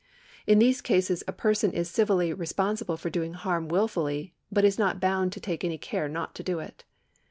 In these cases a person is civilly responsible for doing harm Avilfully, but is not bound to take any care not to do it.